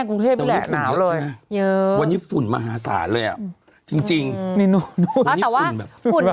กรุงเทพแหละหนาวเลยเยอะวันนี้ฝุ่นมหาศาลเลยอ่ะจริงจริงนี่นู่นู่นวันนี้ฝุ่นแบบ